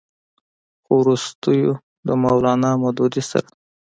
خو وروستو د مولانا مودودي سره